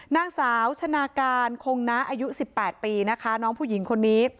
นางสาวชนะการคงนะอายุ๑๘ปีนะคะน้องผู้หญิงคนนี้